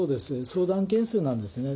相談件数なんですね。